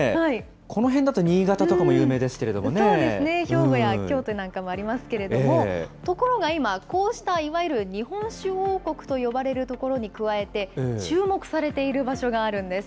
このへんだと新潟とかも有名ですけれどもね、そうですね、兵庫や京都なんかもありますけれども、ところが今、こうしたいわゆる日本酒王国と呼ばれる所に加えて、注目されている場所があるんです。